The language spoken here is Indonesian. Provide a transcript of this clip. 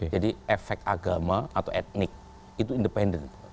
jadi efek agama atau etnik itu independen